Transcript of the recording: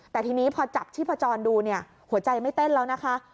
แต่ทีนี้พอจับชีพจรดูเนี่ยหัวใจไม่เต้นแล้วนะคะ